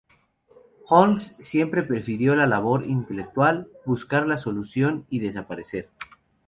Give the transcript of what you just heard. Holmes siempre prefirió la labor intelectual: buscar la solución y desaparecer.